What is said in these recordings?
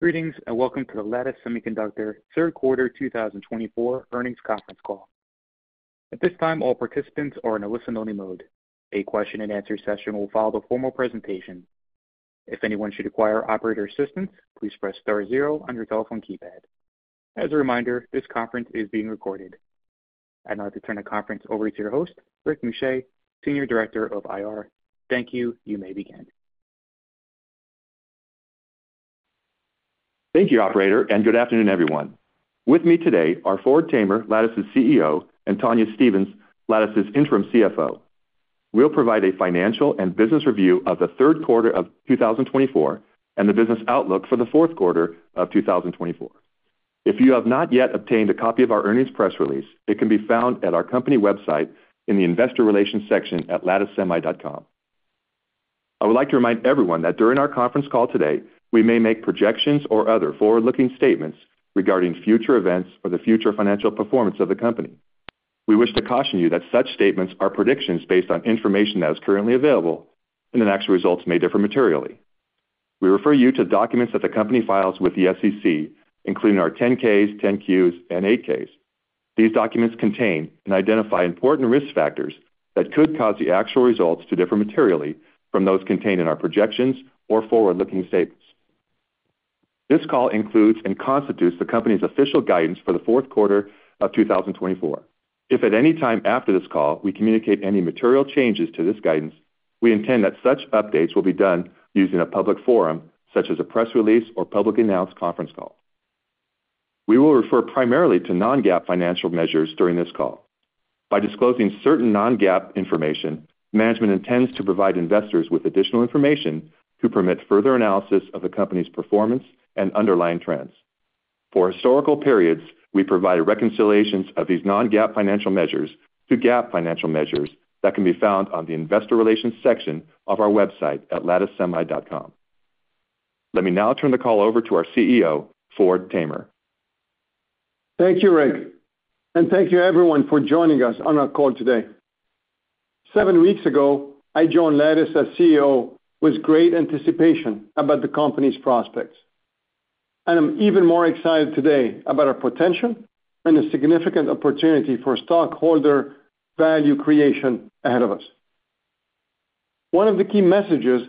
Greetings and welcome to the Lattice Semiconductor Q3 2024 earnings conference call. At this time, all participants are in a listen-only mode. A question-and-answer session will follow the formal presentation. If anyone should require operator assistance, please press star zero on your telephone keypad. As a reminder, this conference is being recorded. I'd like to turn the conference over to your host, Rick Muscha, Senior Director of IR. Thank you. You may begin. Thank you, Operator, and good afternoon, everyone. With me today are Ford Tamer, Lattice's CEO, and Tonya Stevens, Lattice's interim CFO. We'll provide a financial and business review of Q3 2024 and the business outlook for Q4 2024. If you have not yet obtained a copy of our earnings press release, it can be found at our company website in the Investor Relations section at lattice.com. I would like to remind everyone that during our conference call today, we may make projections or other forward-looking statements regarding future events or the future financial performance of the company. We wish to caution you that such statements are predictions based on information that is currently available, and the actual results may differ materially. We refer you to the documents that the company files with the SEC, including our 10-Ks, 10-Qs, and 8-Ks. These documents contain and identify important risk factors that could cause the actual results to differ materially from those contained in our projections or forward-looking statements. This call includes and constitutes the company's official guidance for Q4 2024. If at any time after this call we communicate any material changes to this guidance, we intend that such updates will be done using a public forum, such as a press release or publicly announced conference call. We will refer primarily to non-GAAP financial measures during this call. By disclosing certain non-GAAP information, management intends to provide investors with additional information to permit further analysis of the company's performance and underlying trends. For historical periods, we provide reconciliations of these non-GAAP financial measures to GAAP financial measures that can be found on the Investor Relations section of our website at latticesemi.com. Let me now turn the call over to our CEO, Ford Tamer. Thank you, Rick, and thank you, everyone, for joining us on our call today. Seven weeks ago, I joined Lattice as CEO with great anticipation about the company's prospects, and I'm even more excited today about our potential and the significant opportunity for stockholder value creation ahead of us. One of the key messages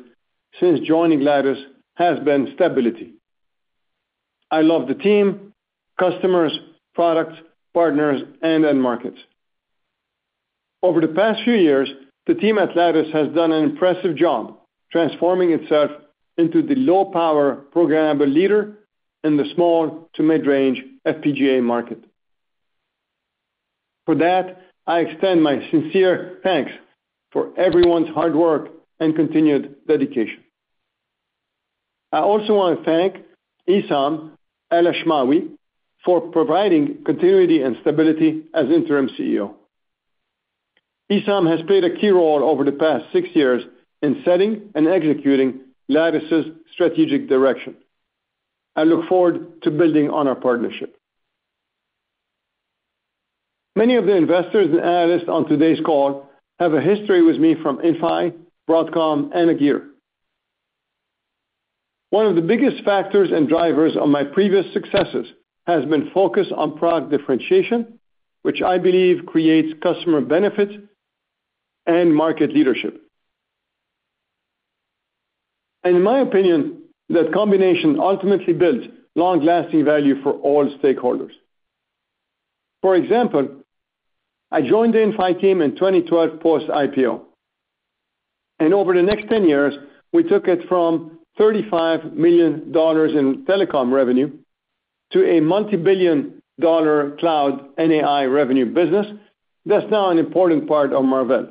since joining Lattice has been stability. I love the team, customers, products, partners, and end markets. Over the past few years, the team at Lattice has done an impressive job transforming itself into the low-power programmable leader in the small to mid-range FPGA market. For that, I extend my sincere thanks for everyone's hard work and continued dedication. I also want to thank Esam Elashmawi for providing continuity and stability as interim CEO. Esam has played a key role over the past six years in setting and executing Lattice's strategic direction. I look forward to building on our partnership. Many of the investors and analysts on today's call have a history with me from Inphi, Broadcom, and Agere. One of the biggest factors and drivers of my previous successes has been focus on product differentiation, which I believe creates customer benefit and market leadership. And in my opinion, that combination ultimately builds long-lasting value for all stakeholders. For example, I joined the Inphi team in 2012 post-IPO, and over the next 10 years, we took it from $35 million in telecom revenue to a multi-billion dollar cloud and AI revenue business that's now an important part of Marvell.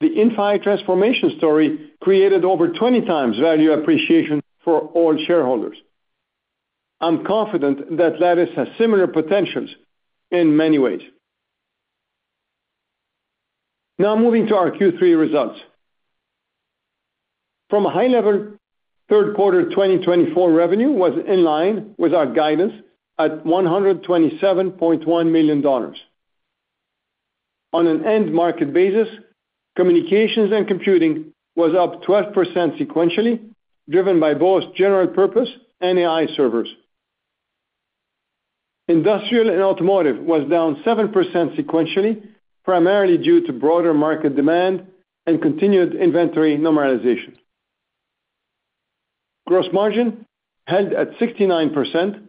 The Inphi transformation story created over 20 times value appreciation for all shareholders. I'm confident that Lattice has similar potentials in many ways. Now, moving to our Q3 results. From a high level, Q3 2024 revenue was in line with our guidance at $127.1 million. On an end market basis, communications and computing was up 12% sequentially, driven by both general purpose and AI servers. Industrial and automotive was down 7% sequentially, primarily due to broader market demand and continued inventory normalization. Gross margin held at 69%,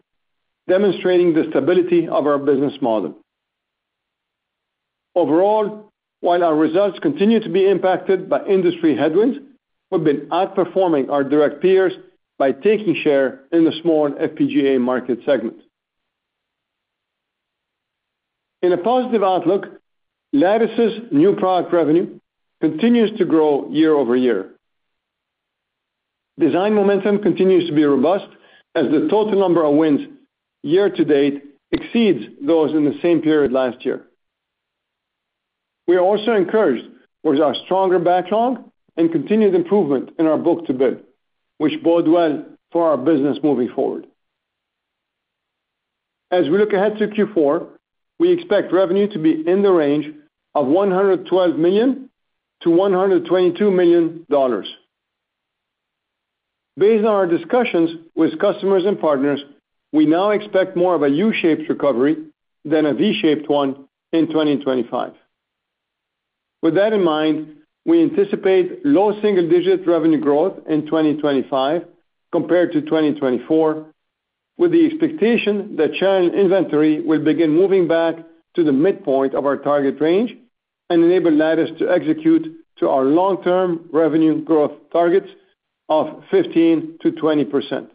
demonstrating the stability of our business model. Overall, while our results continue to be impacted by industry headwinds, we've been outperforming our direct peers by taking share in the small FPGA market segment. In a positive outlook, Lattice's new product revenue continues to grow year over year. Design momentum continues to be robust as the total number of wins year to date exceeds those in the same period last year. We are also encouraged with our stronger backlog and continued improvement in our book-to-bill, which bodes well for our business moving forward. As we look ahead to Q4, we expect revenue to be in the range of $112 million-$122 million. Based on our discussions with customers and partners, we now expect more of a U-shaped recovery than a V-shaped one in 2025. With that in mind, we anticipate low single-digit revenue growth in 2025 compared to 2024, with the expectation that channel inventory will begin moving back to the midpoint of our target range and enable Lattice to execute to our long-term revenue growth targets of 15%-20%.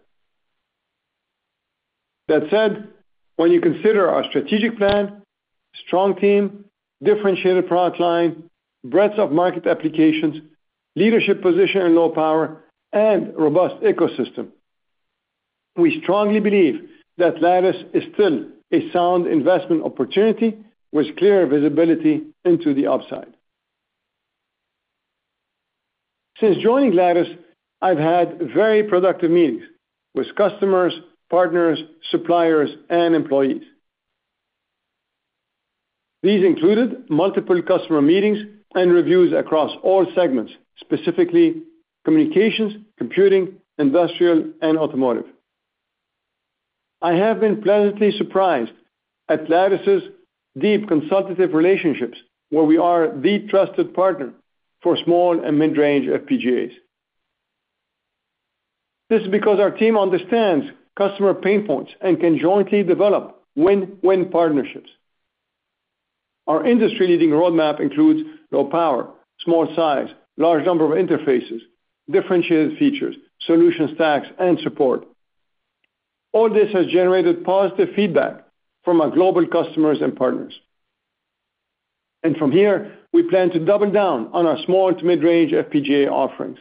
That said, when you consider our strategic plan, strong team, differentiated product line, breadth of market applications, leadership position in low power, and robust ecosystem, we strongly believe that Lattice is still a sound investment opportunity with clear visibility into the upside. Since joining Lattice, I've had very productive meetings with customers, partners, suppliers, and employees. These included multiple customer meetings and reviews across all segments, specifically communications, computing, industrial, and automotive. I have been pleasantly surprised at Lattice's deep consultative relationships, where we are the trusted partner for small and mid-range FPGAs. This is because our team understands customer pain points and can jointly develop win-win partnerships. Our industry-leading roadmap includes low power, small size, large number of interfaces, differentiated features, solution stacks, and support. All this has generated positive feedback from our global customers and partners. And from here, we plan to double down on our small to mid-range FPGA offerings.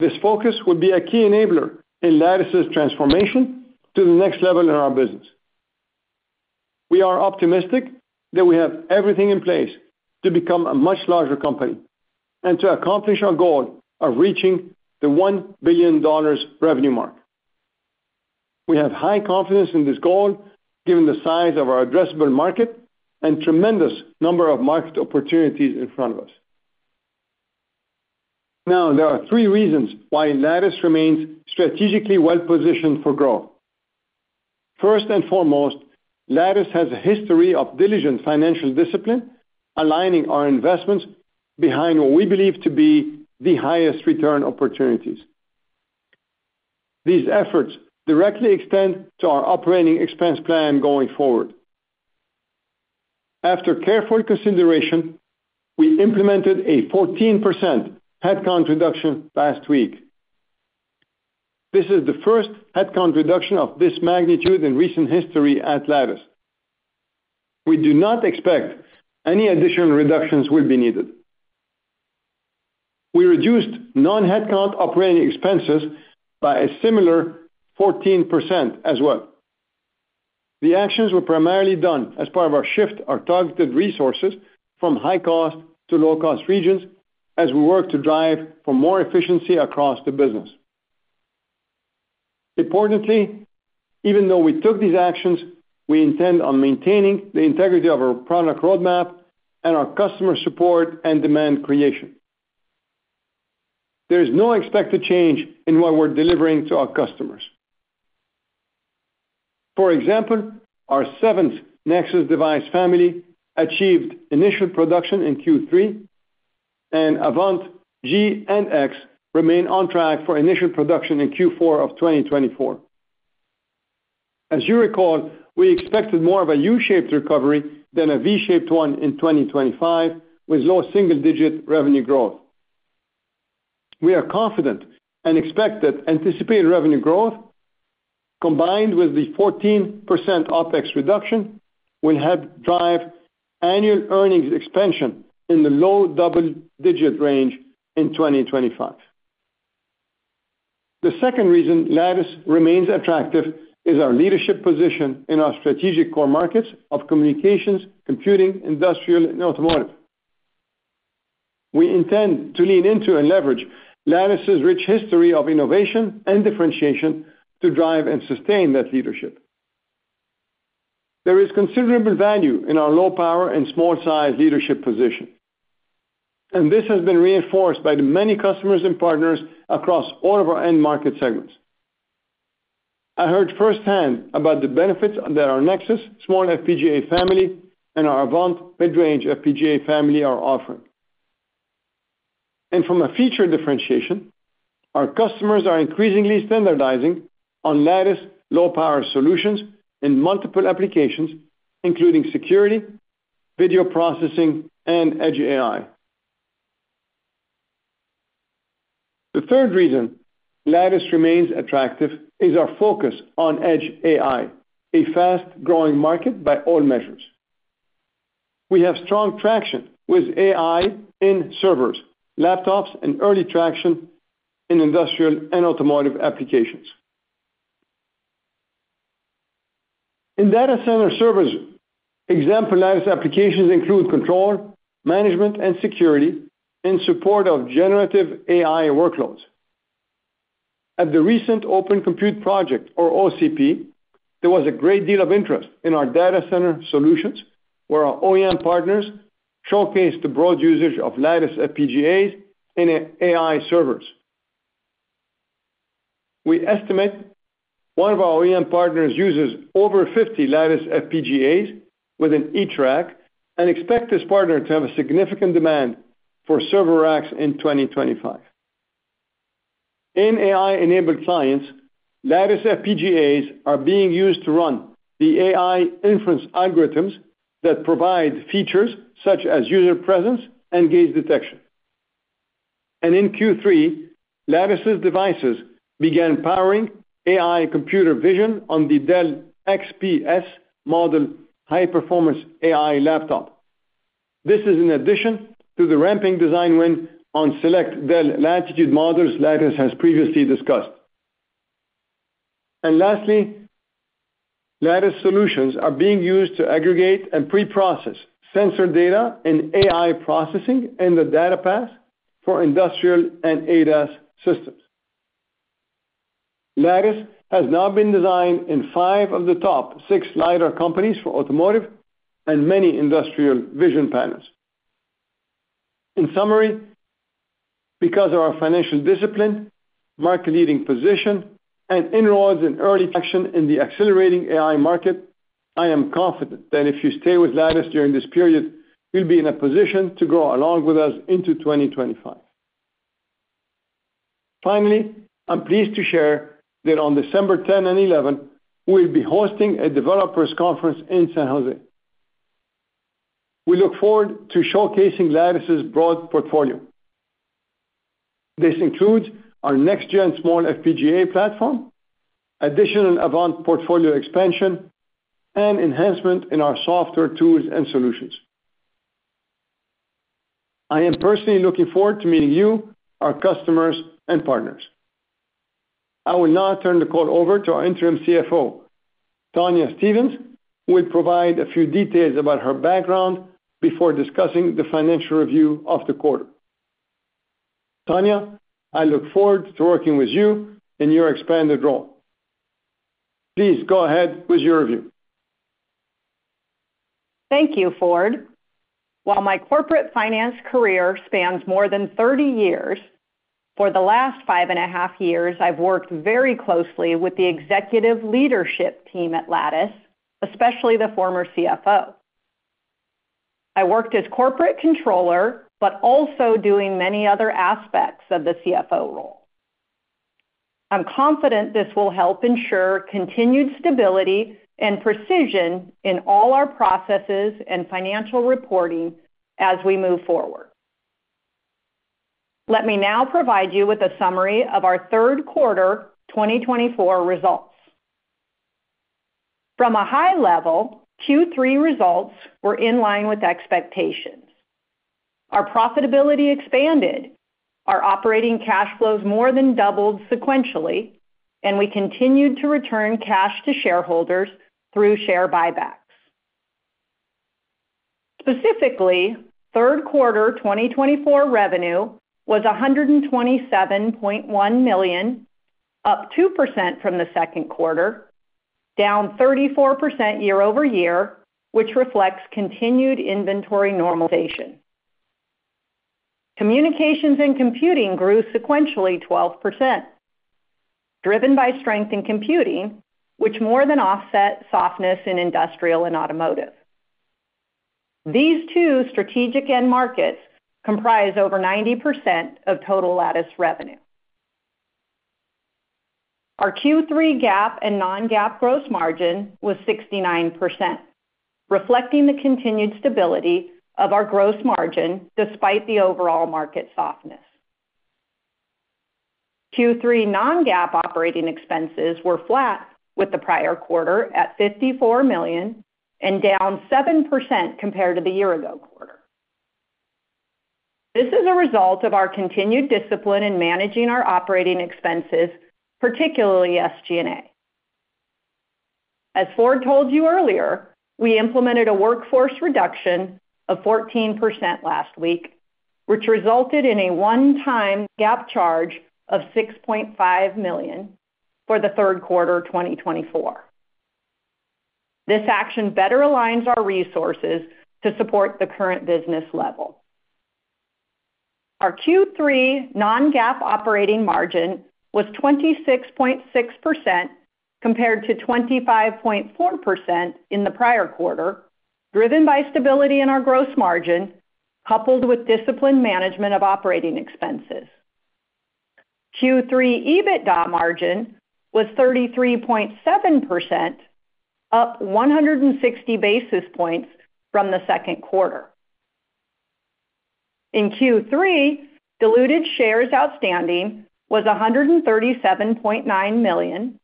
This focus will be a key enabler in Lattice's transformation to the next level in our business. We are optimistic that we have everything in place to become a much larger company and to accomplish our goal of reaching the $1 billion revenue mark. We have high confidence in this goal given the size of our addressable market and tremendous number of market opportunities in front of us. Now, there are three reasons why Lattice remains strategically well-positioned for growth. First and foremost, Lattice has a history of diligent financial discipline, aligning our investments behind what we believe to be the highest return opportunities. These efforts directly extend to our operating expense plan going forward. After careful consideration, we implemented a 14% headcount reduction last week. This is the first headcount reduction of this magnitude in recent history at Lattice. We do not expect any additional reductions will be needed. We reduced non-headcount operating expenses by a similar 14% as well. The actions were primarily done as part of our shift of our targeted resources from high-cost to low-cost regions as we work to drive for more efficiency across the business. Importantly, even though we took these actions, we intend on maintaining the integrity of our product roadmap and our customer support and demand creation. There is no expected change in what we're delivering to our customers. For example, our seventh Nexus device family achieved initial production in Q3, and Avant-G and Avant-X remain on track for initial production in Q4 of 2024. As you recall, we expected more of a U-shaped recovery than a V-shaped one in 2025 with low single-digit revenue growth. We are confident and expect that anticipated revenue growth, combined with the 14% OpEx reduction, will help drive annual earnings expansion in the low double-digit range in 2025. The second reason Lattice remains attractive is our leadership position in our strategic core markets of communications, computing, industrial, and automotive. We intend to lean into and leverage Lattice's rich history of innovation and differentiation to drive and sustain that leadership. There is considerable value in our low-power and small-size leadership position, and this has been reinforced by the many customers and partners across all of our end market segments. I heard firsthand about the benefits that our Nexus small FPGA family and our Avant mid-range FPGA family are offering, and from a feature differentiation, our customers are increasingly standardizing on Lattice low-power solutions in multiple applications, including security, video processing, and edge AI. The third reason Lattice remains attractive is our focus on edge AI, a fast-growing market by all measures. We have strong traction with AI in servers, laptops, and early traction in industrial and automotive applications. In data center servers, example Lattice applications include control, management, and security in support of generative AI workloads. At the recent Open Compute Project, or OCP, there was a great deal of interest in our data center solutions, where our OEM partners showcased the broad usage of Lattice FPGAs in AI servers. We estimate one of our OEM partners uses over 50 Lattice FPGAs within each rack and expect this partner to have a significant demand for server racks in 2025. In AI-enabled clients, Lattice FPGAs are being used to run the AI inference algorithms that provide features such as user presence and gaze detection. In Q3, Lattice's devices began powering AI computer vision on the Dell XPS model high-performance AI laptop. This is in addition to the ramping design win on select Dell Latitude models Lattice has previously discussed. Lastly, Lattice solutions are being used to aggregate and preprocess sensor data in AI processing in the data path for industrial and ADAS systems. Lattice has now been designed in five of the top six auto companies for automotive and many industrial vision panels. In summary, because of our financial discipline, market-leading position, and inroads in early traction in the accelerating AI market, I am confident that if you stay with Lattice during this period, you'll be in a position to grow along with us into 2025. Finally, I'm pleased to share that on December 10 and 11, we'll be hosting a developers conference in San Jose. We look forward to showcasing Lattice's broad portfolio. This includes our next-gen small FPGA platform, additional Avant portfolio expansion, and enhancement in our software tools and solutions. I am personally looking forward to meeting you, our customers, and partners. I will now turn the call over to our Interim CFO, Tonya Stevens, who will provide a few details about her background before discussing the financial review of the quarter. Tonya, I look forward to working with you in your expanded role. Please go ahead with your review. Thank you, Ford. While my corporate finance career spans more than 30 years, for the last five and a half years, I've worked very closely with the executive leadership team at Lattice, especially the former CFO. I worked as corporate controller, but also doing many other aspects of the CFO role. I'm confident this will help ensure continued stability and precision in all our processes and financial reporting as we move forward. Let me now provide you with a summary of our third quarter 2024 results. From a high level, Q3 results were in line with expectations. Our profitability expanded, our operating cash flows more than doubled sequentially, and we continued to return cash to shareholders through share buybacks. Specifically, third quarter 2024 revenue was $127.1 million, up 2% from the second quarter, down 34% year over year, which reflects continued inventory normalization. Communications and computing grew sequentially 12%, driven by strength in computing, which more than offset softness in industrial and automotive. These two strategic end markets comprise over 90% of total Lattice revenue. Our Q3 GAAP and non-GAAP gross margin was 69%, reflecting the continued stability of our gross margin despite the overall market softness. Q3 non-GAAP operating expenses were flat with the prior quarter at $54 million and down 7% compared to the year-ago quarter. This is a result of our continued discipline in managing our operating expenses, particularly SG&A. As Ford told you earlier, we implemented a workforce reduction of 14% last week, which resulted in a one-time GAAP charge of $6.5 million for the third quarter 2024. This action better aligns our resources to support the current business level. Our Q3 non-GAAP operating margin was 26.6% compared to 25.4% in the prior quarter, driven by stability in our gross margin coupled with disciplined management of operating expenses. Q3 EBITDA margin was 33.7%, up 160 basis points from the second quarter. In Q3, diluted shares outstanding was 137.9 million,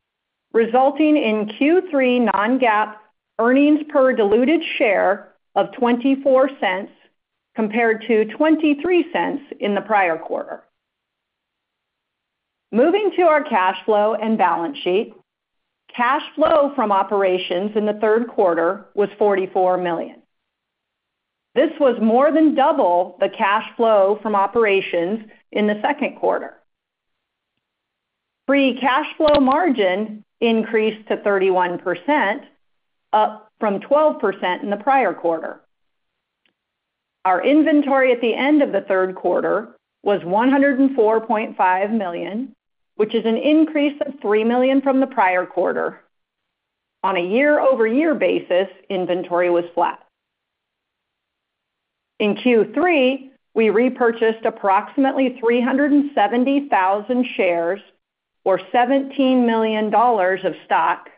resulting in Q3 non-GAAP earnings per diluted share of $0.24 compared to $0.23 in the prior quarter. Moving to our cash flow and balance sheet, cash flow from operations in the third quarter was $44 million. This was more than double the cash flow from operations in the second quarter. Free cash flow margin increased to 31%, up from 12% in the prior quarter. Our inventory at the end of the third quarter was $104.5 million, which is an increase of $3 million from the prior quarter. On a year-over-year basis, inventory was flat. In Q3, we repurchased approximately 370,000 shares, or $17 million of stock,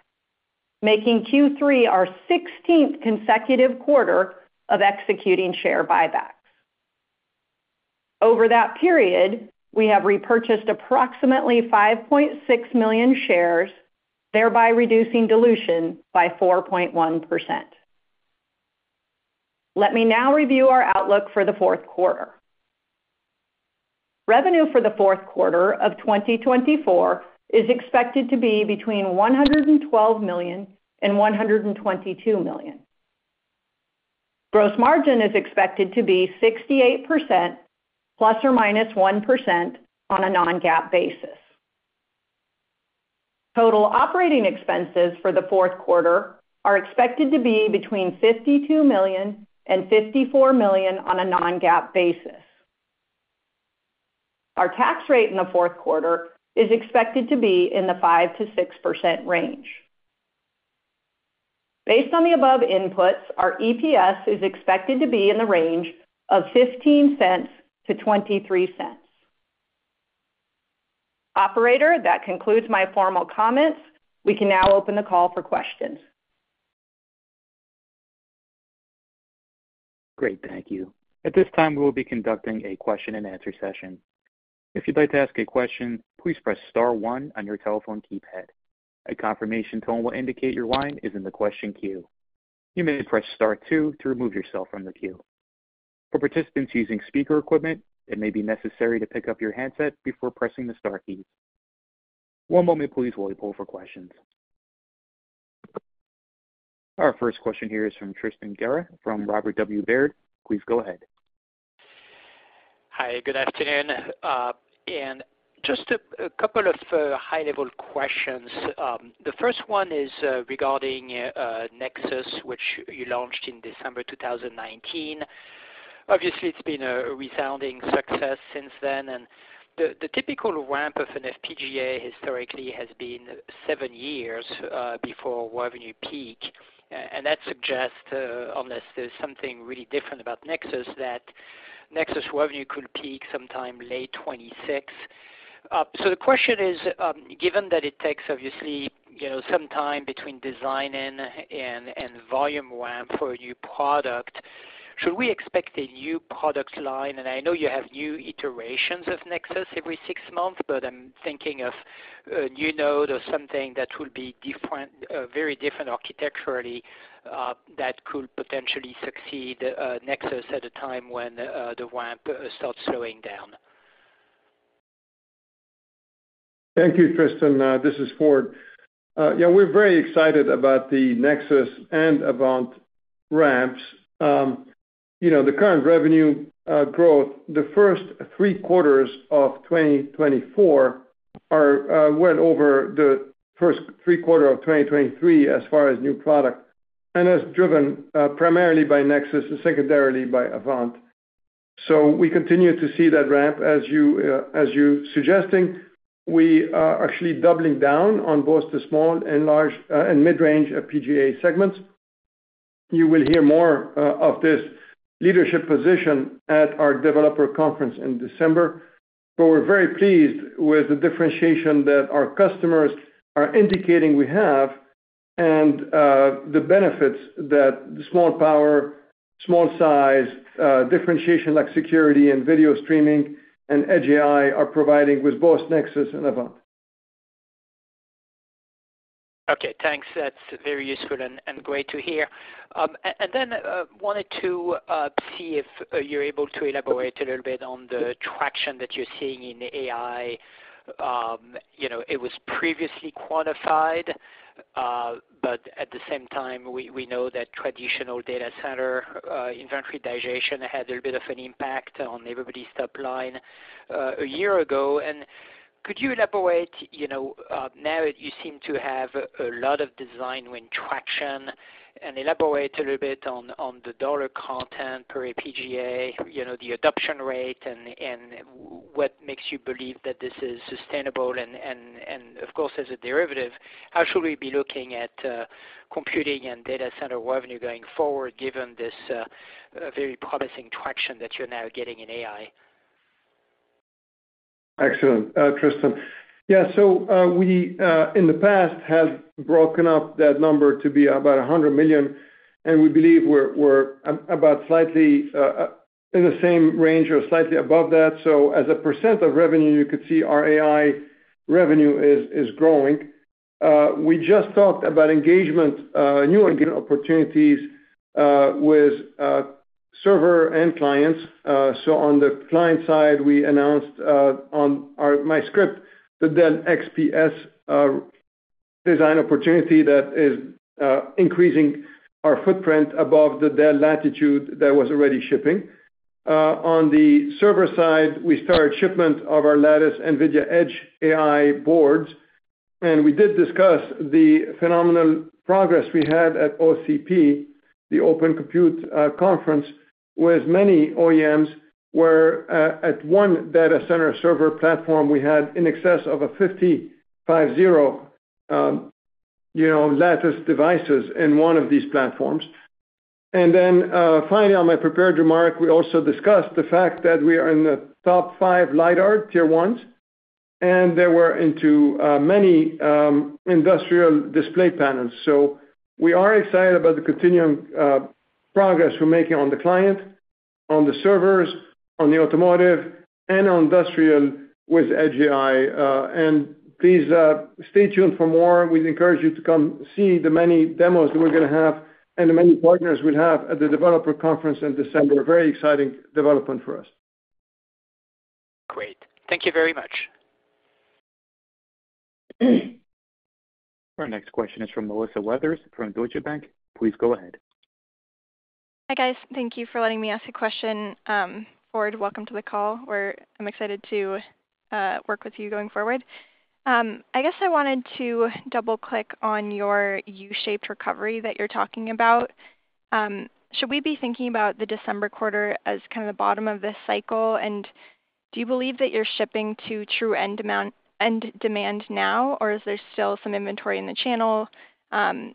making Q3 our 16th consecutive quarter of executing share buybacks. Over that period, we have repurchased approximately 5.6 million shares, thereby reducing dilution by 4.1%. Let me now review our outlook for the fourth quarter. Revenue for the fourth quarter of 2024 is expected to be between $112 million-$122 million. Gross margin is expected to be 68% plus or minus 1% on a non-GAAP basis. Total operating expenses for the fourth quarter are expected to be between $52 million-$54 million on a non-GAAP basis. Our tax rate in the fourth quarter is expected to be in the 5%-6% range. Based on the above inputs, our EPS is expected to be in the range of $0.15- $0.23. Operator, that concludes my formal comments. We can now open the call for questions. Great. Thank you. At this time, we will be conducting a question-and-answer session. If you'd like to ask a question, please press Star 1 on your telephone keypad. A confirmation tone will indicate your line is in the question queue. You may press Star 2 to remove yourself from the queue. For participants using speaker equipment, it may be necessary to pick up your handset before pressing the Star keys. One moment, please, while we pull for questions. Our first question here is from Tristan Gerra from Robert W. Baird. Please go ahead. Hi. Good afternoon. And just a couple of high-level questions. The first one is regarding Nexus, which you launched in December 2019. Obviously, it's been a resounding success since then. And the typical ramp of an FPGA historically has been seven years before revenue peaked. And that suggests, unless there's something really different about Nexus, that Nexus revenue could peak sometime late 2026. So the question is, given that it takes obviously some time between design and volume ramp for a new product, should we expect a new product line? I know you have new iterations of Nexus every six months, but I'm thinking of a new node or something that will be very different architecturally that could potentially succeed Nexus at a time when the ramp starts slowing down. Thank you, Tristan. This is Ford. Yeah, we're very excited about the Nexus and Avant ramps. The current revenue growth, the first three quarters of 2024 are well over the first three quarters of 2023 as far as new product, and that's driven primarily by Nexus and secondarily by Avant. So we continue to see that ramp, as you're suggesting. We are actually doubling down on both the small and large and mid-range FPGA segments. You will hear more of this leadership position at our developer conference in December. But we're very pleased with the differentiation that our customers are indicating we have and the benefits that small power, small size, differentiation like security and video streaming and edge AI are providing with both Nexus and Avant. Okay. Thanks. That's very useful and great to hear. And then I wanted to see if you're able to elaborate a little bit on the traction that you're seeing in AI. It was previously quantified, but at the same time, we know that traditional data center inventory digestion had a little bit of an impact on everybody's top line a year ago. And could you elaborate? Now, you seem to have a lot of design win traction and elaborate a little bit on the dollar content per FPGA, the adoption rate, and what makes you believe that this is sustainable? Of course, as a derivative, how should we be looking at computing and data center revenue going forward given this very promising traction that you're now getting in AI? Excellent, Tristan. Yeah. So we, in the past, have broken up that number to be about $100 million. And we believe we're about slightly in the same range or slightly above that. So as a % of revenue, you could see our AI revenue is growing. We just talked about engagement, new engagement opportunities with server and clients. So on the client side, we announced on my script the Dell XPS design opportunity that is increasing our footprint above the Dell Latitude that was already shipping. On the server side, we started shipment of our Lattice NVIDIA Edge AI boards. We did discuss the phenomenal progress we had at OCP, the Open Compute Conference, whereas many OEMs were at one data center server platform. We had in excess of 50, 50 Lattice devices in one of these platforms. And then finally, on my prepared remark, we also discussed the fact that we are in the top five LiDAR Tier 1s, and we're into many industrial display panels. So we are excited about the continuing progress we're making on the client, on the servers, on the automotive, and on industrial with edge AI. And please stay tuned for more. We encourage you to come see the many demos that we're going to have and the many partners we'll have at the developer conference in December. Very exciting development for us. Great. Thank you very much. Our next question is from Melissa Weathers from Deutsche Bank. Please go ahead. Hi, guys. Thank you for letting me ask a question. Ford, welcome to the call. I'm excited to work with you going forward. I guess I wanted to double-click on your U-shaped recovery that you're talking about. Should we be thinking about the December quarter as kind of the bottom of this cycle? And do you believe that you're shipping to true end demand now, or is there still some inventory in the channel so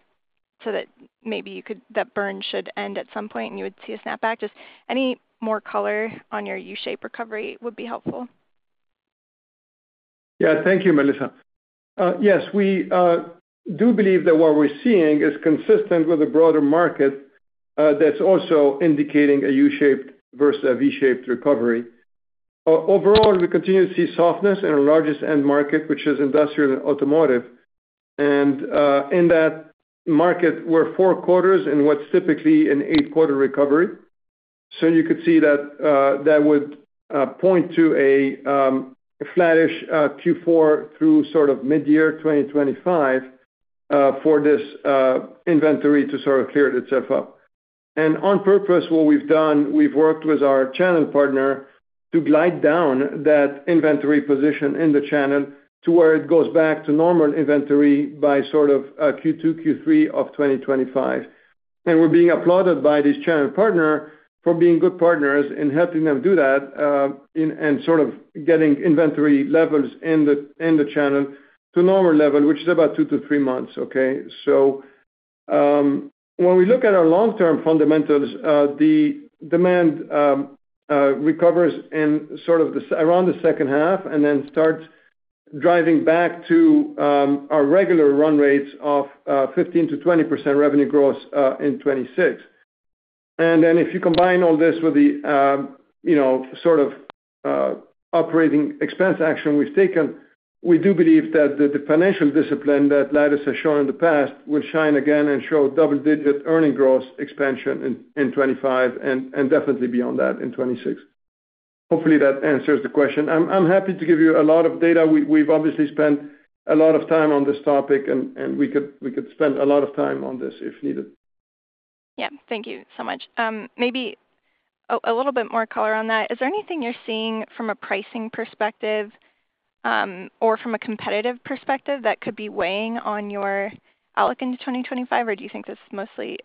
that maybe that burn should end at some point and you would see a snapback? Just any more color on your U-shape recovery would be helpful. Yeah. Thank you, Melissa. Yes, we do believe that what we're seeing is consistent with the broader market that's also indicating a U-shaped versus a V-shaped recovery. Overall, we continue to see softness in our largest end market, which is industrial and automotive. And in that market, we're four quarters in what's typically an eight-quarter recovery. So you could see that that would point to a flattish Q4 through sort of mid-year 2025 for this inventory to sort of clear itself up. And on purpose, what we've done, we've worked with our channel partner to glide down that inventory position in the channel to where it goes back to normal inventory by sort of Q2, Q3 of 2025. And we're being applauded by this channel partner for being good partners in helping them do that and sort of getting inventory levels in the channel to normal level, which is about two to three months, okay? So when we look at our long-term fundamentals, the demand recovers in sort of around the second half and then starts driving back to our regular run rates of 15%-20% revenue growth in 2026. And then if you combine all this with the sort of operating expense action we've taken, we do believe that the financial discipline that Lattice has shown in the past will shine again and show double-digit earning growth expansion in 2025 and definitely beyond that in 2026. Hopefully, that answers the question. I'm happy to give you a lot of data. We've obviously spent a lot of time on this topic, and we could spend a lot of time on this if needed. Yeah. Thank you so much. Maybe a little bit more color on that. Is there anything you're seeing from a pricing perspective or from a competitive perspective that could be weighing on your outlook into 2025, or do you think this is mostly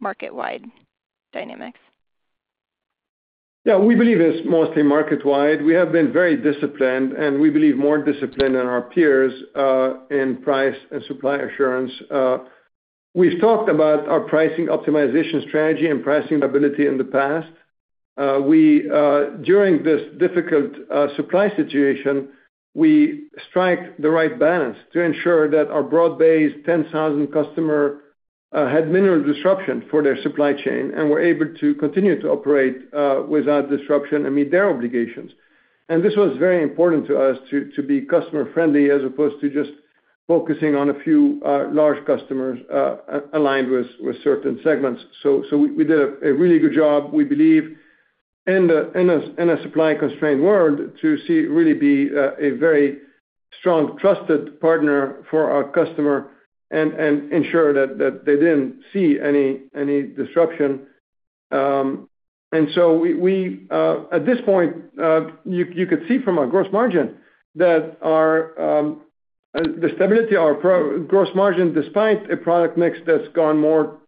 market-wide dynamics? Yeah. We believe it's mostly market-wide. We have been very disciplined, and we believe more disciplined than our peers in price and supply assurance. We've talked about our pricing optimization strategy and pricing ability in the past. During this difficult supply situation, we struck the right balance to ensure that our broad-based 10,000 customers had minimal disruption for their supply chain and were able to continue to operate without disruption and meet their obligations. And this was very important to us to be customer-friendly as opposed to just focusing on a few large customers aligned with certain segments. So we did a really good job, we believe, in a supply-constrained world to really be a very strong, trusted partner for our customer and ensure that they didn't see any disruption. And so at this point, you could see from our gross margin that the stability of our gross margin, despite a product mix that's gone more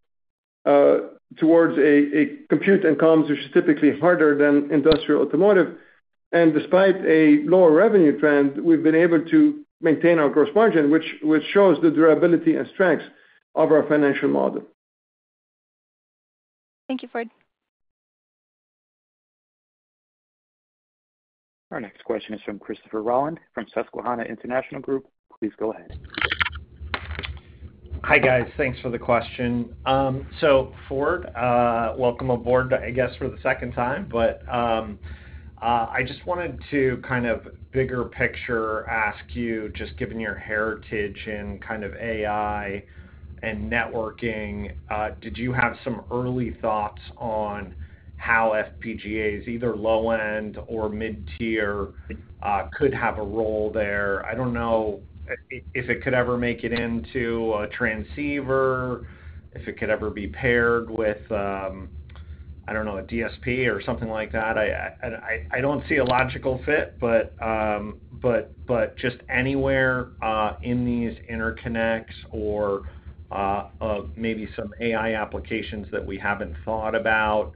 towards a compute and comms, which is typically harder than industrial automotive, and despite a lower revenue trend, we've been able to maintain our gross margin, which shows the durability and strength of our financial model. Thank you, Ford. Our next question is from Christopher Rolland from Susquehanna International Group. Please go ahead. Hi, guys. Thanks for the question. So Ford, welcome aboard, I guess, for the second time. But I just wanted to kind of bigger picture ask you, just given your heritage in kind of AI and networking, did you have some early thoughts on how FPGAs, either low-end or mid-tier, could have a role there? I don't know if it could ever make it into a transceiver, if it could ever be paired with, I don't know, a DSP or something like that. I don't see a logical fit, but just anywhere in these interconnects or maybe some AI applications that we haven't thought about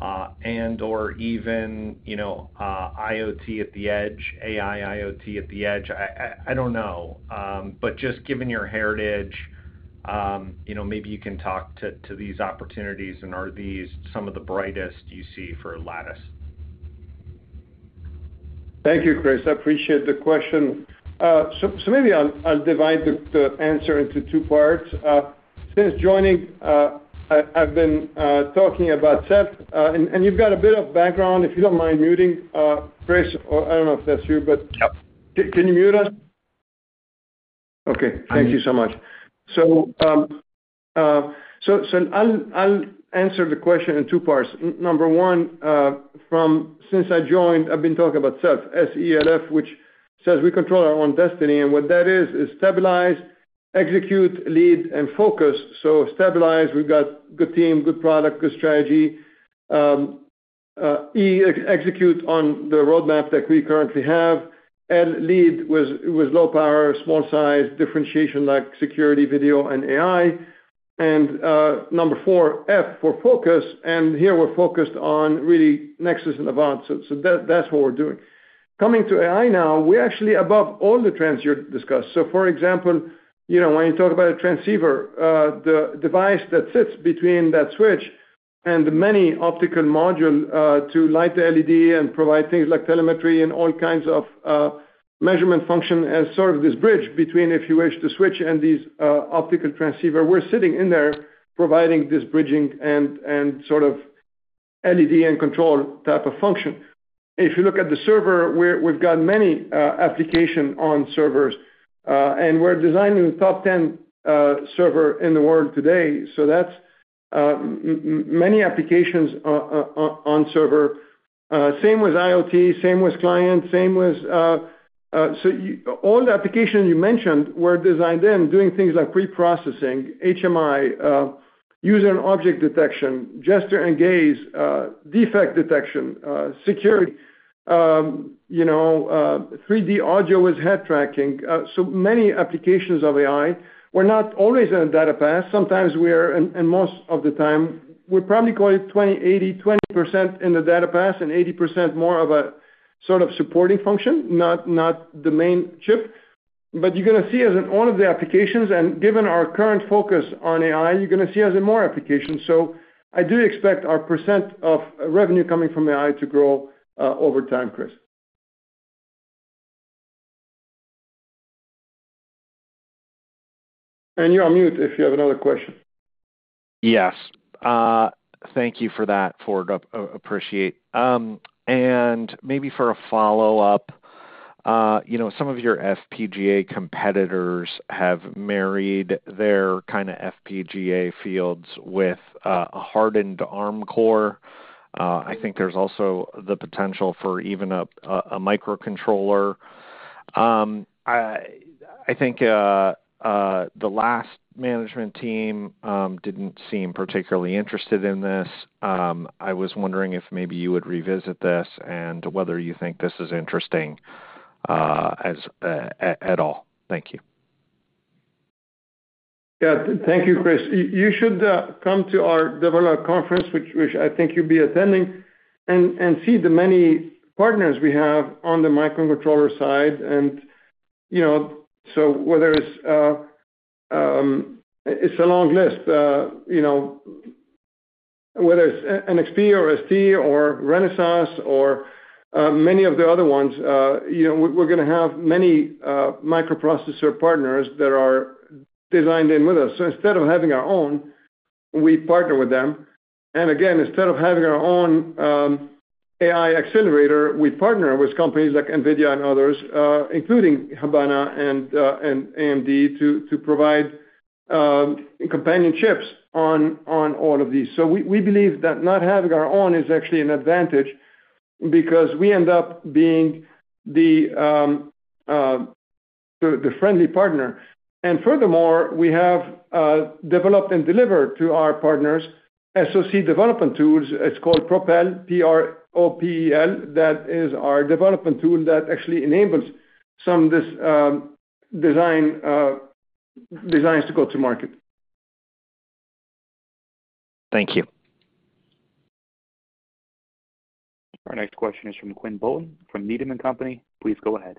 and/or even IoT at the edge, AI IoT at the edge. I don't know. But just given your heritage, maybe you can talk to these opportunities, and are these some of the brightest you see for Lattice? Thank you, Chris. I appreciate the question. So maybe I'll divide the answer into two parts. Since joining, I've been talking about Seth, and you've got a bit of background. If you don't mind muting, Chris, or I don't know if that's you, but can you mute us? Okay. Thank you so much. So I'll answer the question in two parts. Number one, since I joined, I've been talking about SELF, S-E-L-F, which says we control our own destiny. What that is is stabilize, execute, lead, and focus. Stabilize, we've got a good team, good product, good strategy. Execute on the roadmap that we currently have, and lead with low power, small size, differentiation like security, video, and AI. Number four, F for focus. Here we're focused on really Nexus and Avant. That's what we're doing. Coming to AI now, we're actually above all the trends you've discussed. So for example, when you talk about a transceiver, the device that sits between that switch and the many optical modules to light the LED and provide things like telemetry and all kinds of measurement functions as sort of this bridge between, if you wish, the switch and these optical transceivers, we're sitting in there providing this bridging and sort of LED and control type of function. If you look at the server, we've got many applications on servers, and we're designing the top 10 servers in the world today. So that's many applications on servers. Same with IoT, same with clients, same with, so all the applications you mentioned were designed in doing things like pre-processing, HMI, user and object detection, gesture and gaze, defect detection, security, 3D audio with head tracking. So many applications of AI. We're not always in a data pass. Sometimes we are, and most of the time, we're probably going 20%-80%, 20% in the data path and 80% more of a sort of supporting function, not the main chip. But you're going to see, as in all of the applications, and given our current focus on AI, you're going to see, as in more applications. So I do expect our percent of revenue coming from AI to grow over time, Chris. And you're on mute if you have another question. Yes. Thank you for that, Ford. Appreciate. And maybe for a follow-up, some of your FPGA competitors have married their kind of FPGA field with a hardened Arm core. I think there's also the potential for even a microcontroller. I think the last management team didn't seem particularly interested in this. I was wondering if maybe you would revisit this and whether you think this is interesting at all. Thank you. Yeah. Thank you, Chris. You should come to our developer conference, which I think you'll be attending, and see the many partners we have on the microcontroller side. And so whether it's a long list, whether it's NXP or ST or Renesas or many of the other ones, we're going to have many microprocessor partners that are designed in with us. So instead of having our own, we partner with them. And again, instead of having our own AI accelerator, we partner with companies like NVIDIA and others, including Habana and AMD, to provide companion chips on all of these. So we believe that not having our own is actually an advantage because we end up being the friendly partner. Furthermore, we have developed and delivered to our partners SoC development tools. It's called Propel, P-R-O-P-E-L. That is our development tool that actually enables some of these designs to go to market. Thank you. Our next question is from Quinn Bolton from Needham & Company. Please go ahead.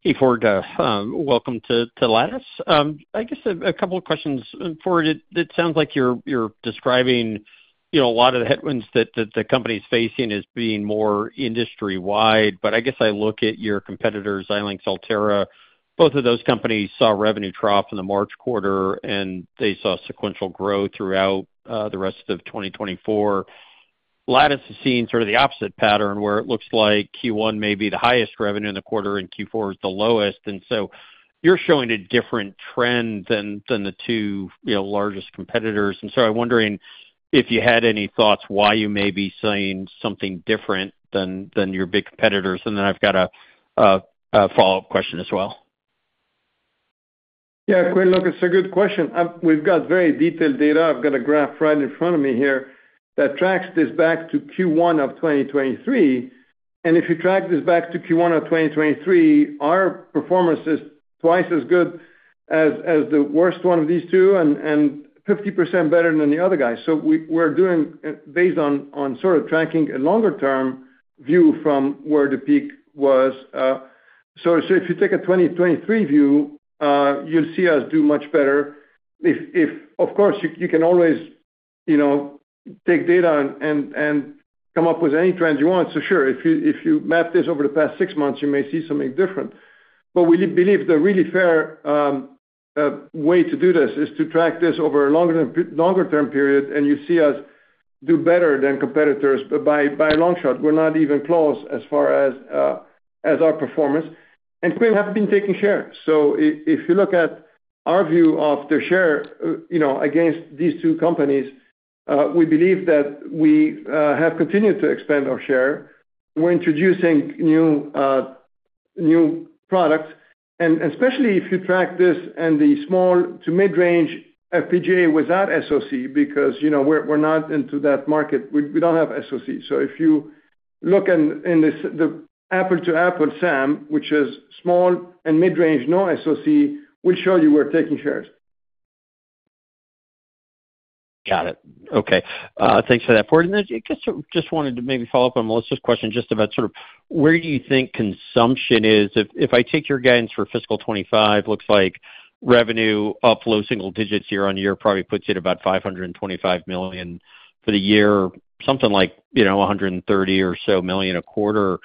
Hey, Ford. Welcome to Lattice. I guess a couple of questions. Ford, it sounds like you're describing a lot of the headwinds that the company's facing as being more industry-wide. But I guess I look at your competitors, Xilinx, Altera. Both of those companies saw revenue trough in the March quarter, and they saw sequential growth throughout the rest of 2024. Lattice is seeing sort of the opposite pattern where it looks like Q1 may be the highest revenue in the quarter and Q4 is the lowest. And so you're showing a different trend than the two largest competitors. And so I'm wondering if you had any thoughts why you may be seeing something different than your big competitors. And then I've got a follow-up question as well. Yeah. Quinn, look, it's a good question. We've got very detailed data. I've got a graph right in front of me here that tracks this back to Q1 of 2023. And if you track this back to Q1 of 2023, our performance is twice as good as the worst one of these two and 50% better than the other guys. So we're doing based on sort of tracking a longer-term view from where the peak was. So if you take a 2023 view, you'll see us do much better. Of course, you can always take data and come up with any trends you want. So sure, if you map this over the past six months, you may see something different. But we believe the really fair way to do this is to track this over a longer-term period, and you see us do better than competitors by a long shot. We're not even close as far as our performance. And we have been taking share. So if you look at our view of the share against these two companies, we believe that we have continued to expand our share. We're introducing new products. And especially if you track this in the small to mid-range FPGA without SOC because we're not into that market. We don't have SOC. So if you look in the apples-to-apples SAM, which is small and mid-range, no SOC, we'll show you we're taking shares. Got it. Okay. Thanks for that, Ford. And I guess I just wanted to maybe follow up on Melissa's question just about sort of where do you think consumption is? If I take your guidance for fiscal 2025, looks like revenue up low single digits year on year probably puts it about $525 million for the year, something like $130 million or so a quarter.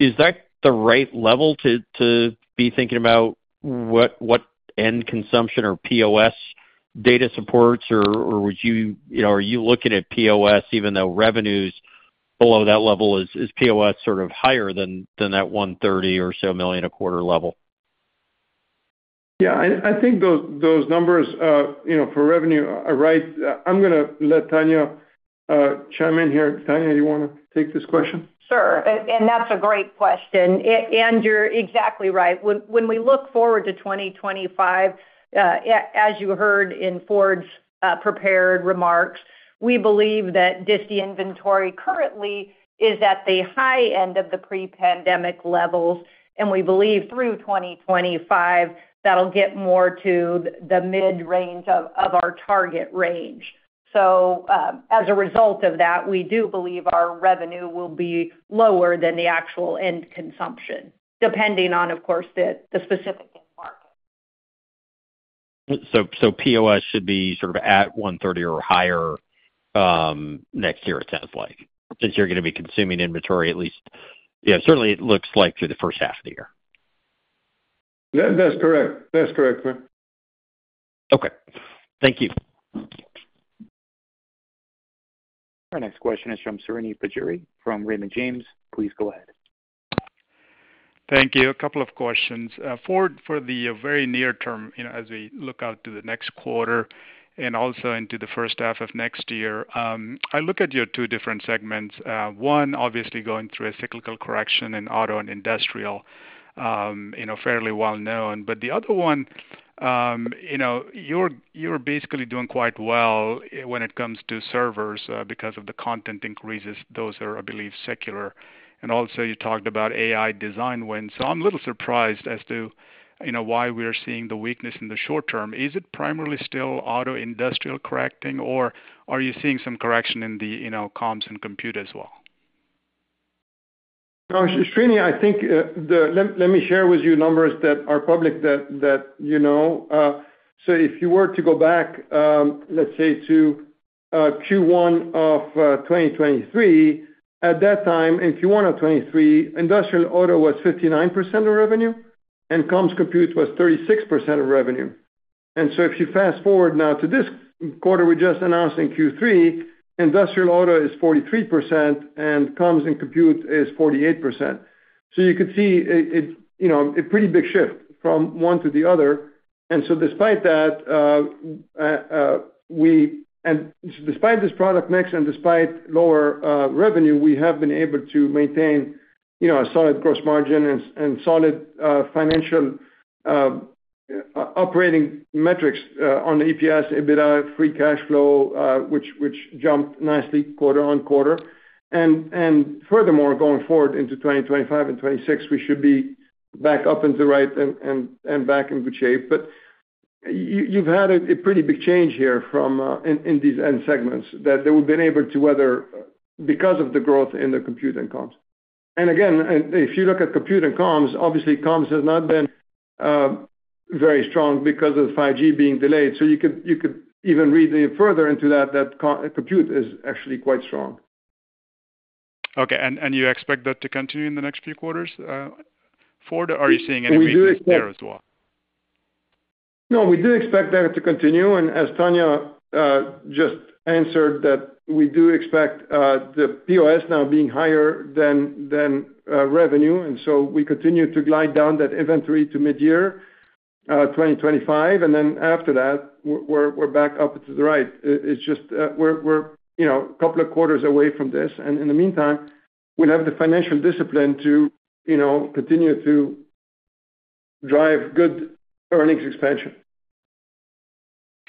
Is that the right level to be thinking about what end consumption or POS data supports, or are you looking at POS even though revenues below that level is POS sort of higher than that $130 million or so a quarter level? Yeah. I think those numbers for revenue, right? I'm going to let Tonya chime in here. Tonya, do you want to take this question? Sure. That's a great question. You're exactly right. When we look forward to 2025, as you heard in Ford's prepared remarks, we believe that channel inventory currently is at the high end of the pre-pandemic levels. And we believe through 2025, that'll get more to the mid-range of our target range. So as a result of that, we do believe our revenue will be lower than the actual end consumption, depending on, of course, the specific end market. So POS should be sort of at 130 or higher next year, it sounds like, since you're going to be consuming inventory at least. Yeah, certainly it looks like through the first half of the year. That's correct. That's correct, sir. Okay. Thank you. Our next question is from Srini Pajjuri from Raymond James. Please go ahead. Thank you. A couple of questions. Ford, for the very near term, as we look out to the next quarter and also into the first half of next year, I look at your two different segments. One, obviously going through a cyclical correction in auto and industrial, fairly well-known. But the other one, you're basically doing quite well when it comes to servers because of the content increases. Those are, I believe, secular. And also you talked about AI design win. So I'm a little surprised as to why we're seeing the weakness in the short term. Is it primarily still industrial auto correcting, or are you seeing some correction in the comms and compute as well? Srini, I think let me share with you numbers that are public that you know. So if you were to go back, let's say to Q1 of 2023, at that time, in Q1 of 2023, industrial auto was 59% of revenue, and comms compute was 36% of revenue. And so if you fast forward now to this quarter, we just announced in Q3, industrial auto is 43%, and comms and compute is 48%. So you could see a pretty big shift from one to the other. And so despite that, and despite this product mix and despite lower revenue, we have been able to maintain a solid gross margin and solid financial operating metrics on the EPS, EBITDA, free cash flow, which jumped nicely quarter on quarter. And furthermore, going forward into 2025 and 2026, we should be back up and to the right and back in good shape. But you've had a pretty big change here in these end segments that we've been able to weather because of the growth in the compute and comms. And again, if you look at compute and comms, obviously comms has not been very strong because of 5G being delayed. So you could even read further into that that compute is actually quite strong. Okay. And you expect that to continue in the next few quarters, Ford? Are you seeing any weakness there as well? No, we do expect that to continue. And as Tonya just answered, that we do expect the POS now being higher than revenue. And so we continue to glide down that inventory to mid-year 2025. And then after that, we're back up to the right. It's just we're a couple of quarters away from this. And in the meantime, we'll have the financial discipline to continue to drive good earnings expansion.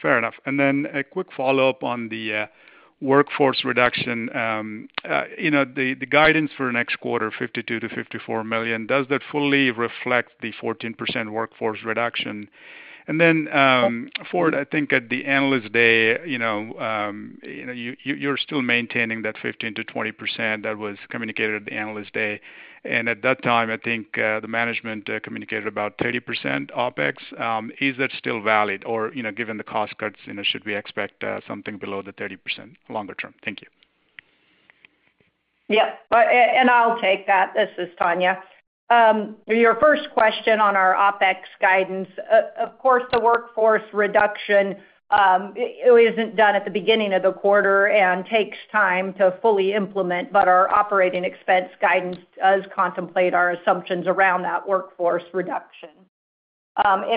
Fair enough. And then a quick follow-up on the workforce reduction. The guidance for next quarter, $52 million-$54 million, does that fully reflect the 14% workforce reduction? And then, Ford, I think at the Analyst Day, you're still maintaining that 15%-20% that was communicated at the Analyst Day. At that time, I think the management communicated about 30% OpEx. Is that still valid? Or given the cost cuts, should we expect something below the 30% longer term? Thank you. Yep. I'll take that. This is Tonya. Your first question on our OpEx guidance, of course, the workforce reduction isn't done at the beginning of the quarter and takes time to fully implement, but our operating expense guidance does contemplate our assumptions around that workforce reduction.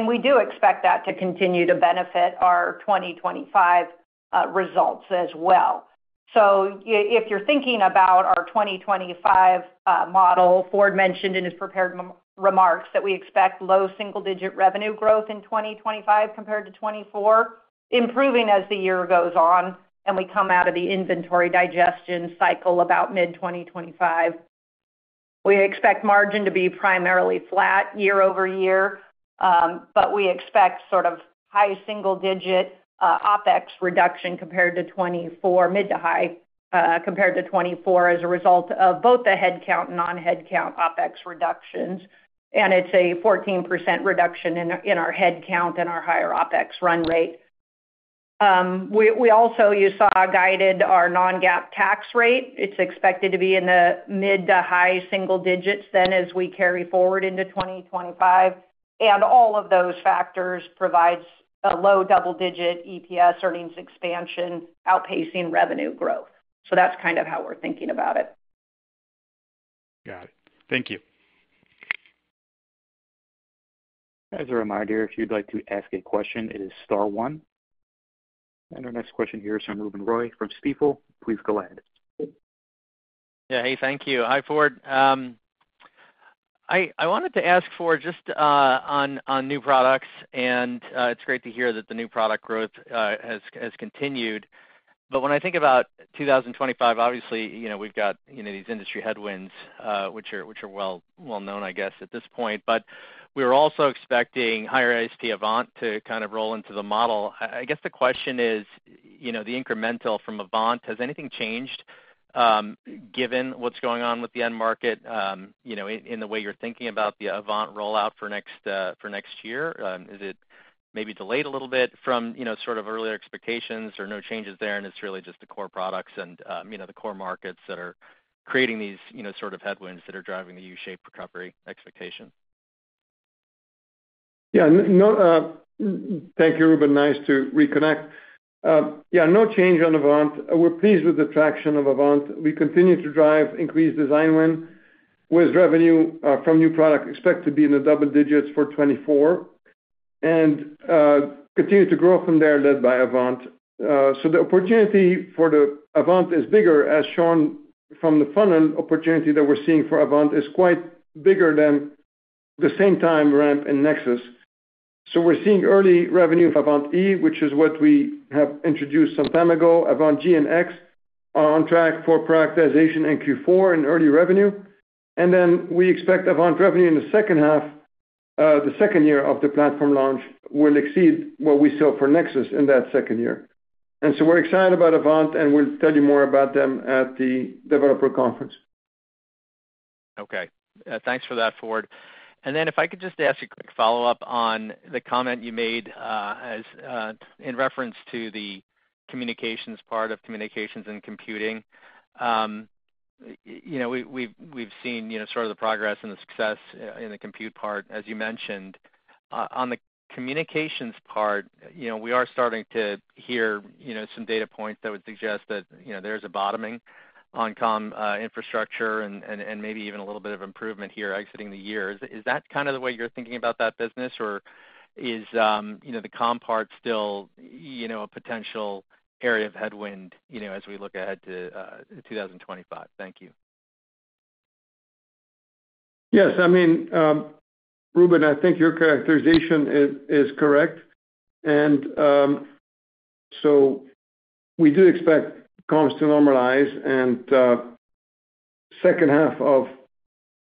We do expect that to continue to benefit our 2025 results as well. If you're thinking about our 2025 model, Ford mentioned in his prepared remarks that we expect low single-digit revenue growth in 2025 compared to 2024, improving as the year goes on, and we come out of the inventory digestion cycle about mid-2025. We expect margin to be primarily flat year over year, but we expect sort of high single-digit OpEx reduction compared to 2024, mid to high compared to 2024 as a result of both the headcount and non-headcount OpEx reductions. And it's a 14% reduction in our headcount and our higher OpEx run rate. We also, you saw, guided our non-GAAP tax rate. It's expected to be in the mid to high single digits then as we carry forward into 2025. And all of those factors provide a low double-digit EPS earnings expansion outpacing revenue growth. So that's kind of how we're thinking about it. Got it. Thank you. As a reminder, if you'd like to ask a question, it is Star One. And our next question here is from Ruben Roy from Stifel. Please go ahead. Yeah. Hey, thank you. Hi, Ford. I wanted to ask Ford just on new products, and it's great to hear that the new product growth has continued. But when I think about 2025, obviously, we've got these industry headwinds, which are well-known, I guess, at this point. But we're also expecting higher-end FPGA Avant to kind of roll into the model. I guess the question is, the incremental from Avant, has anything changed given what's going on with the end market in the way you're thinking about the Avant rollout for next year? Is it maybe delayed a little bit from sort of earlier expectations or no changes there? And it's really just the core products and the core markets that are creating these sort of headwinds that are driving the U-shaped recovery expectation. Yeah. Thank you, Ruben. Nice to reconnect. Yeah. No change on Avant. We're pleased with the traction of Avant. We continue to drive increased design win with revenue from new product expected to be in the double digits for 2024 and continue to grow from there led by Avant. The opportunity for the Avant is bigger, as shown from the funnel opportunity that we're seeing for Avant is quite bigger than the same time ramp in Nexus. We're seeing early revenue for Avant-E, which is what we have introduced some time ago. Avant-G and Avant-X are on track for prioritization in Q4 and early revenue. We expect Avant revenue in the second half, the second year of the platform launch, will exceed what we saw for Nexus in that second year. We're excited about Avant, and we'll tell you more about them at the developer conference. Okay. Thanks for that, Ford. And then if I could just ask a quick follow-up on the comment you made in reference to the communications part of communications and computing. We've seen sort of the progress and the success in the compute part, as you mentioned. On the communications part, we are starting to hear some data points that would suggest that there's a bottoming on comm infrastructure and maybe even a little bit of improvement here exiting the year. Is that kind of the way you're thinking about that business, or is the comm part still a potential area of headwind as we look ahead to 2025? Thank you. Yes. I mean, Ruben, I think your characterization is correct. And so we do expect comms to normalize and second half of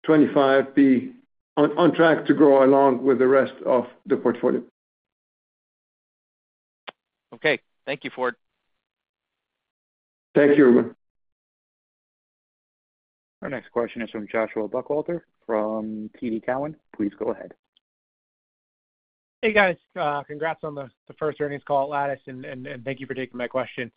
2025 be on track to grow along with the rest of the portfolio. Okay. Thank you, Ford. Thank you, Ruben. Our next question is from Joshua Buchalter from TD Cowen. Please go ahead. Hey, guys. Congrats on the first earnings call at Lattice, and thank you for taking my question.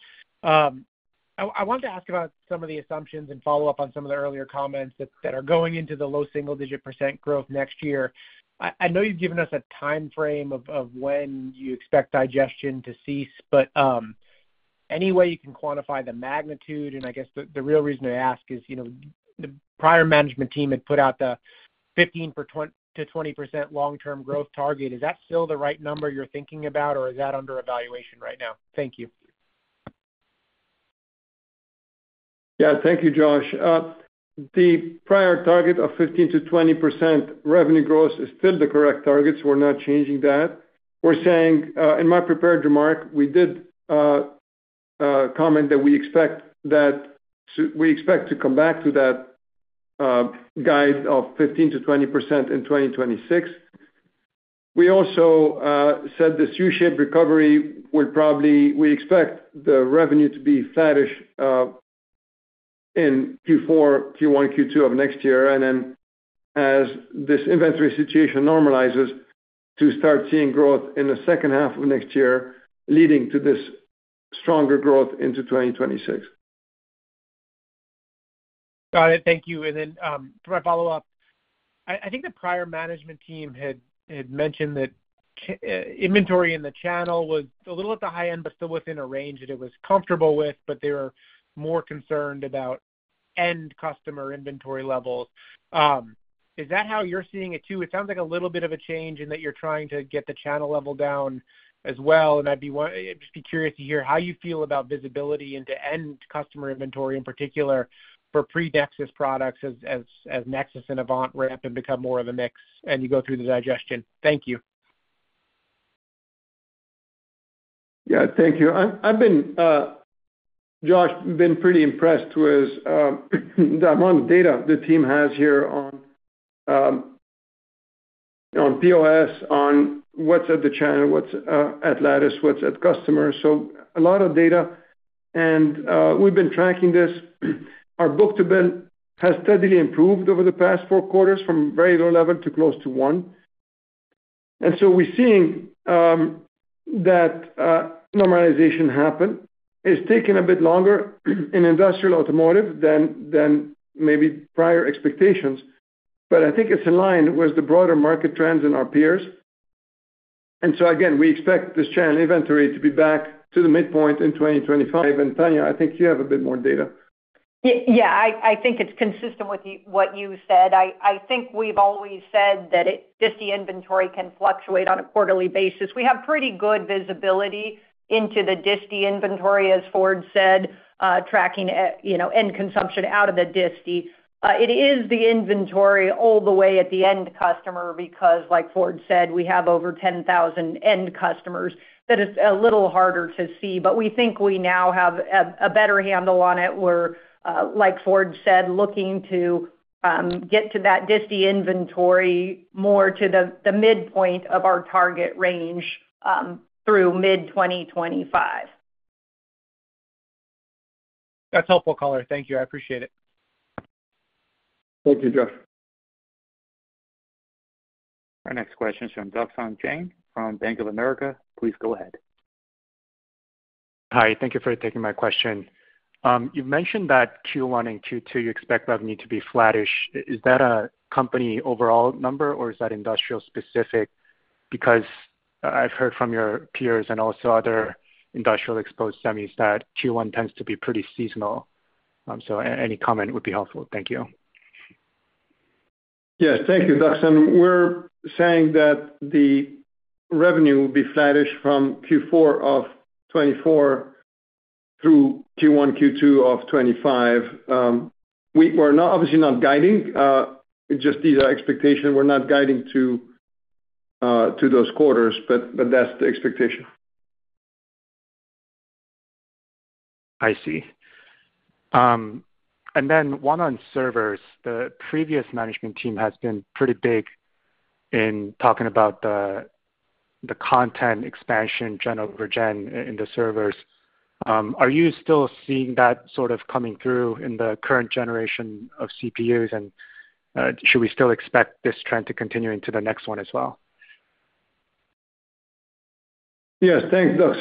I wanted to ask about some of the assumptions and follow-up on some of the earlier comments that are going into the low single-digit % growth next year. I know you've given us a timeframe of when you expect digestion to cease, but any way you can quantify the magnitude? And I guess the real reason I ask is the prior management team had put out the 15%-20% long-term growth target. Is that still the right number you're thinking about, or is that under evaluation right now? Thank you. Yeah. Thank you, Josh. The prior target of 15%-20% revenue growth is still the correct target. We're not changing that. We're saying in my prepared remark, we did comment that we expect to come back to that guide of 15%-20% in 2026. We also said this U-shaped recovery will probably. We expect the revenue to be flattish in Q4, Q1, Q2 of next year. And then as this inventory situation normalizes, to start seeing growth in the second half of next year, leading to this stronger growth into 2026. Got it. Thank you. And then for my follow-up, I think the prior management team had mentioned that inventory in the channel was a little at the high end, but still within a range that it was comfortable with, but they were more concerned about end customer inventory levels. Is that how you're seeing it too? It sounds like a little bit of a change in that you're trying to get the channel level down as well. And I'd just be curious to hear how you feel about visibility into end customer inventory in particular for pre-Nexus products as Nexus and Avant ramp and become more of a mix and you go through the digestion. Thank you. Yeah. Thank you. Josh, I've been pretty impressed with the amount of data the team has here on POS, on what's at the channel, what's at Lattice, what's at customers. So a lot of data. And we've been tracking this. Our book-to-bill has steadily improved over the past four quarters from very low level to close to one. And so we're seeing that normalization happen. It's taken a bit longer in industrial automotive than maybe prior expectations. But I think it's in line with the broader market trends and our peers. And so again, we expect this channel inventory to be back to the midpoint in 2025. Tonya, I think you have a bit more data. Yeah. I think it's consistent with what you said. I think we've always said that DISTI inventory can fluctuate on a quarterly basis. We have pretty good visibility into the DISTI inventory, as Ford said, tracking end consumption out of the DISTI. It is the inventory all the way at the end customer because, like Ford said, we have over 10,000 end customers that it's a little harder to see. But we think we now have a better handle on it. We're, like Ford said, looking to get to that DISTI inventory more to the midpoint of our target range through mid-2025. That's helpful, caller. Thank you. I appreciate it. Thank you, Josh. Our next question is from Duc Nguyen from Bank of America. Please go ahead. Hi. Thank you for taking my question. You've mentioned that Q1 and Q2, you expect revenue to be flattish. Is that a company overall number, or is that industrial-specific? Because I've heard from your peers and also other industrial-exposed semis that Q1 tends to be pretty seasonal. So any comment would be helpful. Thank you. Yeah. Thank you, Duc. And we're saying that the revenue will be flattish from Q4 of 2024 through Q1, Q2 of 2025. We're obviously not guiding. Just these are expectations. We're not guiding to those quarters, but that's the expectation. I see. And then one on servers. The previous management team has been pretty big in talking about the content expansion gen over gen in the servers. Are you still seeing that sort of coming through in the current generation of CPUs, and should we still expect this trend to continue into the next one as well? Yes. Thanks, Duc.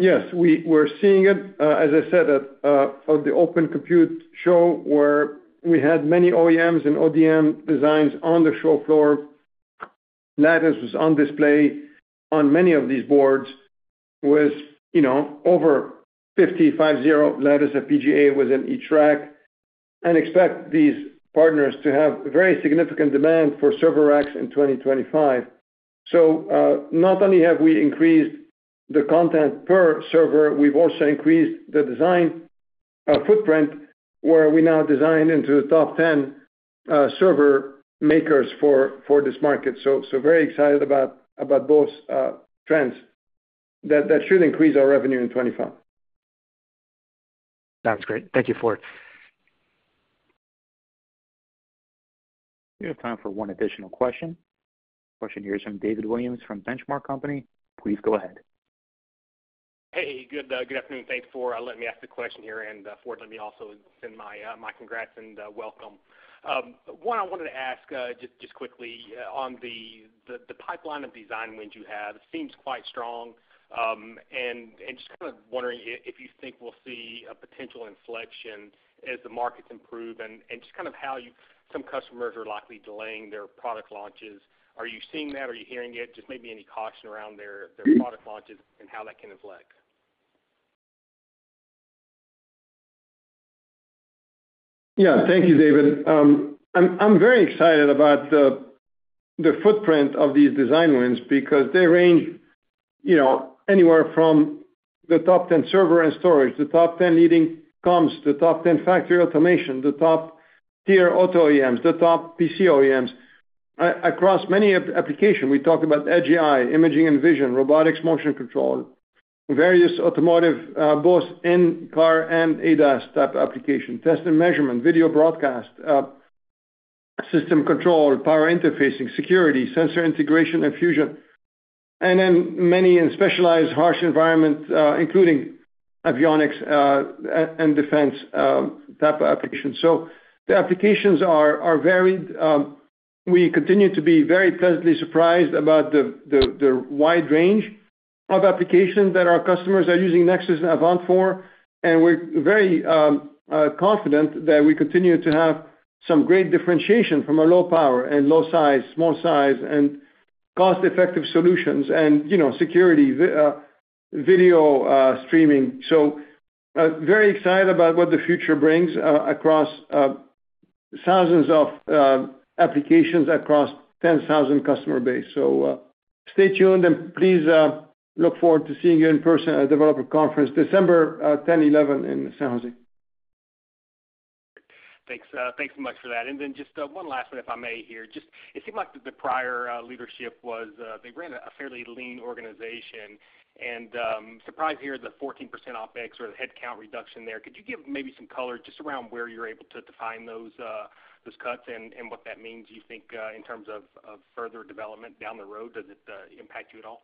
Yes, we're seeing it, as I said, at the Open Compute Show, where we had many OEMs and ODM designs on the show floor. Lattice was on display on many of these boards with over 50 Lattice FPGAs within each rack. Expect these partners to have very significant demand for server racks in 2025. Not only have we increased the content per server, we've also increased the design footprint, where we now design into the top 10 server makers for this market. Very excited about both trends that should increase our revenue in 2025. That's great. Thank you, Ford. We have time for one additional question. Question here is from David Williams from Benchmark Company. Please go ahead. Hey. Good afternoon. Thanks for letting me ask the question here. Ford, let me also send my congrats and welcome. What I wanted to ask just quickly on the pipeline of design wins you have seems quite strong, and just kind of wondering if you think we'll see a potential inflection as the markets improve and just kind of how some customers are likely delaying their product launches. Are you seeing that? Are you hearing it? Just maybe any caution around their product launches and how that can inflect? Yeah. Thank you, David. I'm very excited about the footprint of these design wins because they range anywhere from the top 10 server and storage, the top 10 leading comms, the top 10 factory automation, the top tier auto OEMs, the top PC OEMs across many applications. We talked about edge AI, imaging and vision, robotics, motion control, various automotive, both in-car and ADAS type application, test and measurement, video broadcast, system control, power interfacing, security, sensor integration and fusion, and then many specialized harsh environments, including avionics and defense type applications. So the applications are varied. We continue to be very pleasantly surprised about the wide range of applications that our customers are using Nexus and Avant for. And we're very confident that we continue to have some great differentiation from our low power and low size, small size, and cost-effective solutions and security, video streaming. So very excited about what the future brings across thousands of applications across 10,000 customer base. So stay tuned, and please look forward to seeing you in person at Developer Conference, December 10, 11 in San Jose. Thanks so much for that. And then just one last one, if I may here. Just it seemed like the prior leadership was they ran a fairly lean organization. And surprised to hear the 14% OpEx or the headcount reduction there. Could you give maybe some color just around where you're able to define those cuts and what that means, you think, in terms of further development down the road? Does it impact you at all?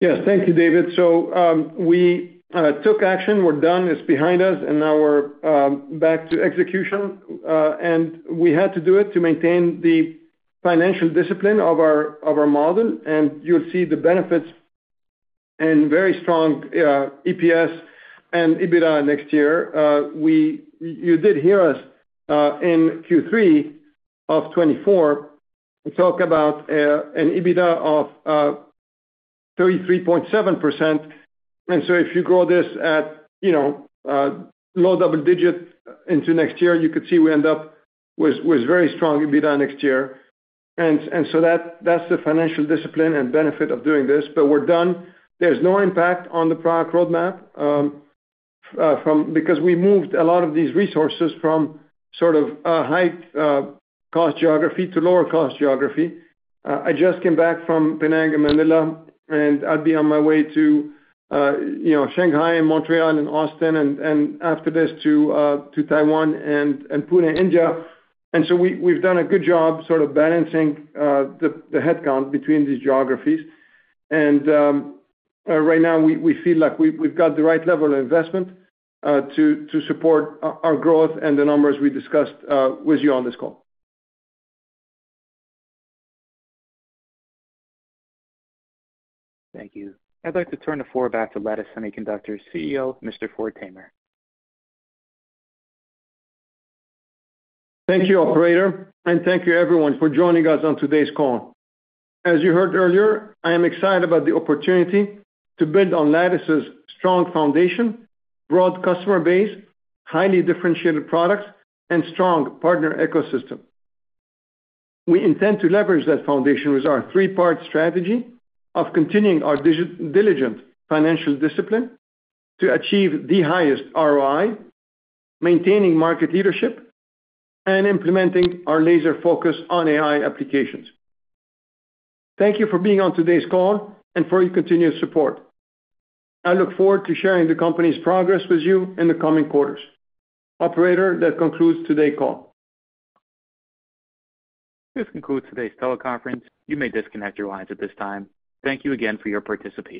Yes. Thank you, David. So we took action. We're done. It's behind us. And now we're back to execution. And we had to do it to maintain the financial discipline of our model. And you'll see the benefits and very strong EPS and EBITDA next year. You did hear us in Q3 of 2024 talk about an EBITDA of 33.7%. And so if you grow this at low double digit into next year, you could see we end up with very strong EBITDA next year. And so that's the financial discipline and benefit of doing this. But we're done. There's no impact on the product roadmap because we moved a lot of these resources from sort of high-cost geography to lower-cost geography. I just came back from Penang and Manila, and I'd be on my way to Shanghai and Montreal and Austin, and after this to Taiwan and Pune, India. And so we've done a good job sort of balancing the headcount between these geographies. And right now, we feel like we've got the right level of investment to support our growth and the numbers we discussed with you on this call. Thank you. I'd like to turn the floor back to Lattice Semiconductor CEO, Mr. Ford Tamer. Thank you, Operator. And thank you, everyone, for joining us on today's call. As you heard earlier, I am excited about the opportunity to build on Lattice's strong foundation, broad customer base, highly differentiated products, and strong partner ecosystem. We intend to leverage that foundation with our three-part strategy of continuing our diligent financial discipline to achieve the highest ROI, maintaining market leadership, and implementing our laser focus on AI applications. Thank you for being on today's call and for your continued support. I look forward to sharing the company's progress with you in the coming quarters. Operator, that concludes today's call. This concludes today's teleconference. You may disconnect your lines at this time. Thank you again for your participation.